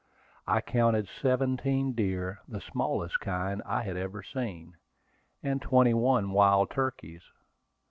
I counted seventeen deer, the smallest kind I had ever seen, and twenty one wild turkeys.